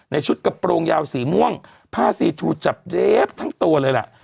ชุดกระโปรงยาวสีม่วงผ้าซีทูจับเดฟทั้งตัวเลยล่ะ